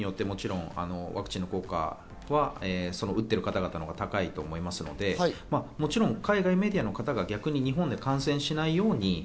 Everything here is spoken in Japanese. いや、ワクチンの種類によってワクチンの効果は打っている方々のほうが高いと思いますので、もちろん海外メディアの方が逆に日本で感染しないように。